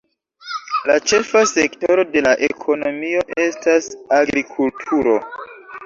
La ĉefa sektoro de la ekonomio estas agrikulturo.